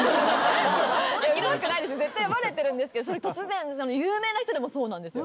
絶対バレてるんですけど突然有名な人でもそうなんです。